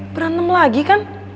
berantem lagi kan